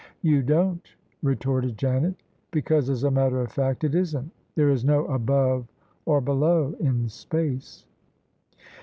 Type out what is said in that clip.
" "You don't," retorted Janet: "because, as a matter of fact, it isn't. There is no above or below in space."